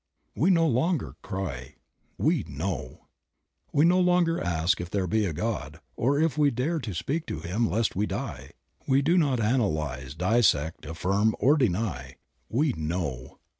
We no longer cry, we Know. We no longer ask if there be a God, or if we dare to speak to Him lest we die; we do not analyze, dissect, affirm, or deny, We know.